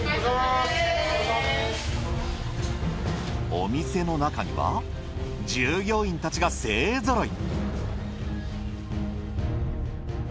お店の中には従業員たちが勢ぞろい。